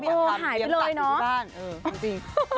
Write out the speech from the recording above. ไม่อยากทำเลี้ยงสัตว์อยู่ทุกบ้านเออจริงหายไปเลยนะ